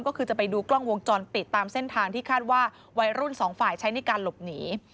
ก็คือจะไปดูกล้องวงจรปิดตามเส้นทางที่คาดว่าวัยรุ่นสองฝ่ายใช้ในการหลบหนี